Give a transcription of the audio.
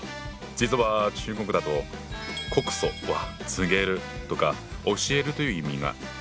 実は中国語だと「告訴」は「告げる」とか「教える」という意味が一般的。